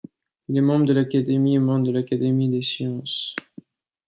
Il est membre de l'Académie et membre de l'Académie des sciences.